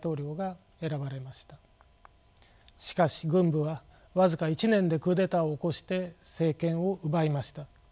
しかし軍部は僅か１年でクーデターを起こして政権を奪いました。